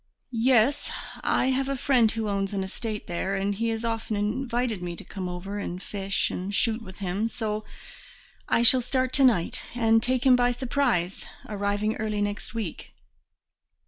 "Yes, I have a friend who owns an estate there, and he has often invited me to come over and fish and shoot with him, so I shall start to night, and take him by surprise, arriving early next week."